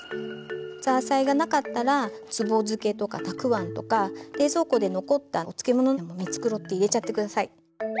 ザーサイがなかったらつぼ漬けとかたくあんとか冷蔵庫で残ったお漬物など見繕って入れちゃって下さい。